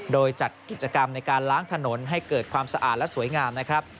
โดยจัดกิจกรรมในการล้างถนนให้เกิดความสะอาดและสวยงามนะครับ